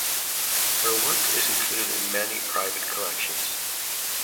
Her work is included in many private collections.